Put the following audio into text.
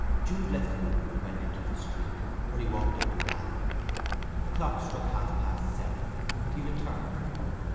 Jude left the room and went into the street, where he walked up and down. A clock struck half past seven, and he returned.